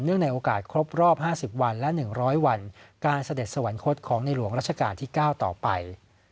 ในโอกาสครบรอบ๕๐วันและ๑๐๐วันการเสด็จสวรรคตของในหลวงรัชกาลที่๙ต่อไป